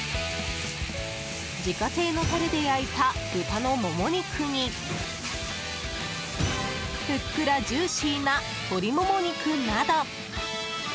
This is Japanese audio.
自家製のタレで焼いた豚のモモ肉にふっくらジューシーな鶏モモ肉など。